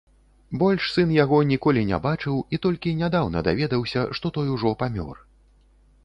Больш сын яго ніколі не бачыў і толькі нядаўна даведаўся, што той ужо памёр.